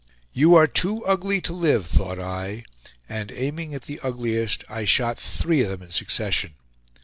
"You are too ugly to live," thought I; and aiming at the ugliest, I shot three of them in succession.